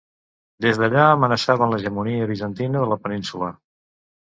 Des d'allà amenaçaven l'hegemonia bizantina de la península.